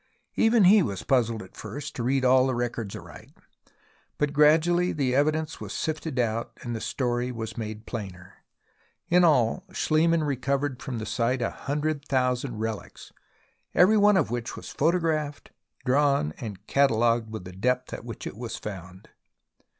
Even he was puzzled at first to read all the records aright, but gradually the evidence was sifted out and the story was made plainer. In all, SchHemann recovered from the site a hundred thousand relics, every one of which was photographed, drawn and catalogued with the depth at which it was found.